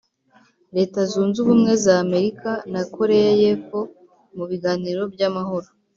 Leta zunz’ubumwe zamerika na korea yepfo mubiganiro byamahoro